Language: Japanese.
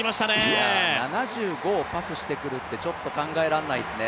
いや、７５をパスしてくるってちょっと考えられないっすね。